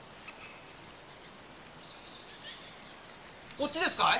こっちですかい？